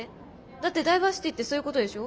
だってダイバーシティーってそういうことでしょ？